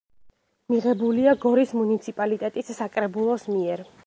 მიღებულია გორის მუნიციპალიტეტის საკრებულოს მიერ.